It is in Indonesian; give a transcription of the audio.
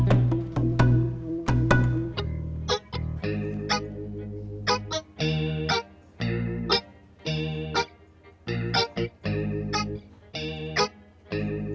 gak bisa ditelepon sih